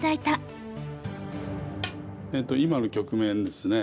今の局面ですね